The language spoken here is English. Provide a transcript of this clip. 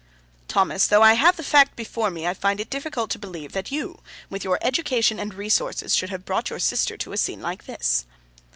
'Thomas, though I have the fact before me, I find it difficult to believe that you, with your education and resources, should have brought your sister to a scene like this.